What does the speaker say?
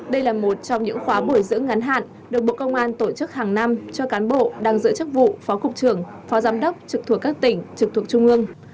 đây là một trong những khóa bồi dưỡng ngắn hạn được bộ công an tổ chức hàng năm cho cán bộ đang giữ chức vụ phó cục trưởng phó giám đốc trực thuộc các tỉnh trực thuộc trung ương